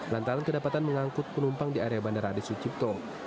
lantaran kedapatan mengangkut penumpang di area bandara adi sucipto